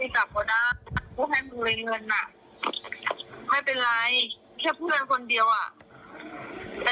เขาจะมาส่งเลยมั้ย